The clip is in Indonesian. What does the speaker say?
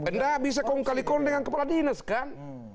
tidak bisa kongkalikon dengan kepala dinas kan